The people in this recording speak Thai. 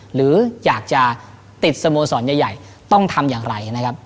หรืออยากจะติดสโมสรใหญ่ต้องทำอย่างไรนะครับ